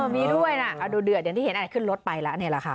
มีด้วยนะเอาดูเดือดอย่างที่เห็นขึ้นรถไปแล้วนี่แหละค่ะ